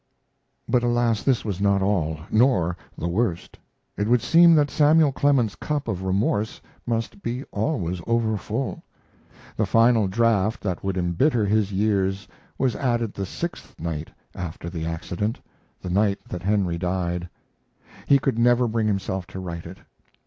But, alas, this was not all, nor the worst. It would seem that Samuel Clemens's cup of remorse must be always overfull. The final draft that would embitter his years was added the sixth night after the accident the night that Henry died. He could never bring himself to write it.